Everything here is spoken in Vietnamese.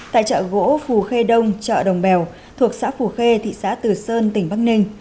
tại chợ gỗ phù khê đông chợ đồng bèo thuộc xã phù khê thị xã từ sơn tỉnh bắc ninh